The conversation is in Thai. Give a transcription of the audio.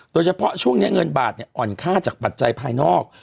โดยเฉพาะช่วงนี้เงินบาทอ่อนค่าจากปัจจัยภายนอก